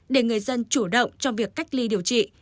để người dân chủ động trong việc cách ly điều trị